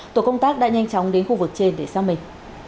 tổ công tác đã nhanh chóng đến khu vực trên để xác minh